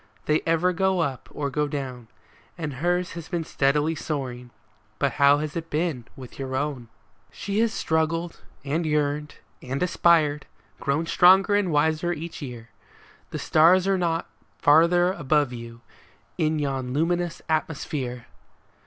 They ever go up or go down ; And hers has been steadily soaring, — but how has it been with your own ? 12 OUTGROWN She has struggled, and yearned, and aspired,— grown stronger and wiser each year ; The stars are not farther above you, in yon luminous at mosphere